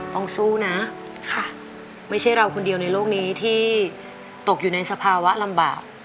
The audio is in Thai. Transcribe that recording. ต้องสู้นะไม่ใช่เราคนเดียวในโลกนี้ที่ตกอยู่ในสภาวะลำบาก